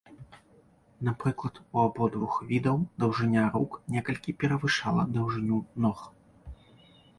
Напрыклад, у абодвух відаў даўжыня рук некалькі перавышала даўжыню ног.